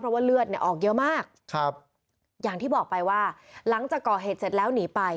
เพราะว่าเลือดเนี่ยออกเยอะมากครับอย่างที่บอกไปว่าหลังจากก่อเหตุเสร็จแล้วหนีไป